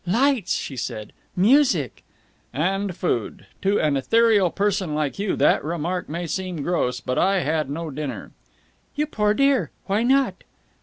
"Lights!" she said. "Music!" "And food! To an ethereal person like you that remark may seem gross, but I had no dinner." "You poor dear! Why not?"